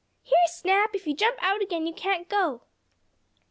"Here, Snap! If you jump out again you can't go!"